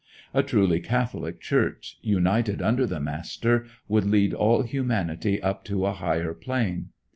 A truly Catholic Church, united under the Master, would lead all humanity up to a higher plane.